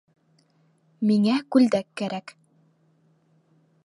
Миңә күлдәк кәрәк!